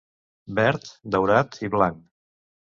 Verd, daurat i blanc.